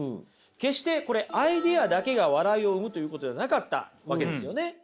決してこれアイデアだけが笑いを生むということではなかったわけですよね。